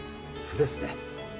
酢ですね。